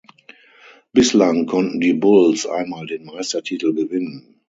Bislang konnten die Bulls einmal den Meistertitel gewinnen.